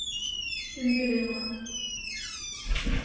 Шӱмбелемлан